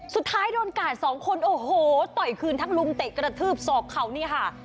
สุดท้ายโดนกาดสองคนโอ้โหต่อยคืนทั้งลุมเตะกระทืบสอกเขานี่ค่ะ